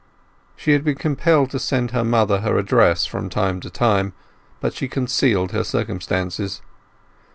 She had been compelled to send her mother her address from time to time, but she concealed her circumstances.